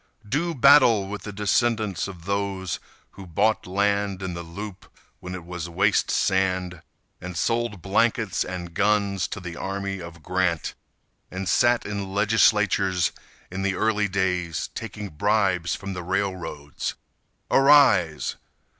Do battle with the descendants of those Who bought land in the loop when it was waste sand, And sold blankets and guns to the army of Grant, And sat in legislatures in the early days, Taking bribes from the railroads! Arise!